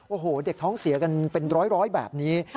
โอ้โหเด็กท้องเสียกันเป็นร้อยแบบนี้